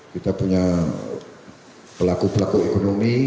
kita punya pelaku pelaku ekonomi